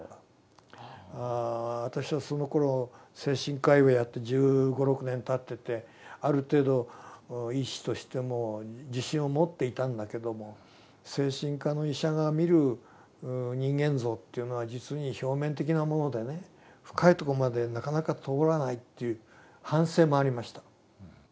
私はそのころ精神科医をやって１５１６年たっててある程度医師としても自信を持っていたんだけども精神科の医者が見る人間像というのは実に表面的なものでね深いとこまでなかなか通らないという反省もありました。